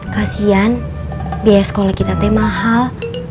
kasian biaya sekolah kita teh mahal